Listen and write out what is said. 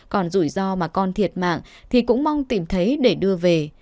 còn rủi ro mà con thiệt mạng thì cũng mong tìm thấy để đưa về